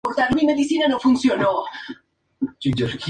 Es considerado por los fanes uno de los mejores discos de la banda.